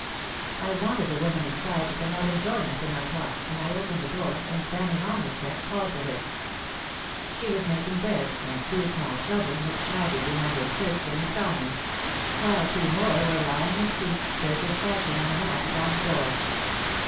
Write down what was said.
I wanted the woman inside to come out and join us in our talk, and I opened the door, and, standing on the stoep, called to her. She was making bread, and two small children hid shyly behind her skirts when they saw me : while two more were lying asleep, Turkish fashion, on a mat upon the floor.